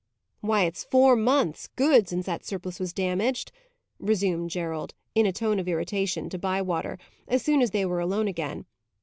"Why, it's four months, good, since that surplice was damaged," resumed Gerald, in a tone of irritation, to Bywater, as soon as they were alone again.